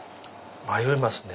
迷いますね。